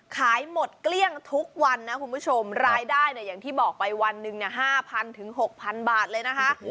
ขายหมดเกลี้ยงทุกวันนะคุณผู้ชมรายได้เนี่ยอย่างที่บอกไปวันหนึ่ง๕๐๐ถึง๖๐๐บาทเลยนะคะ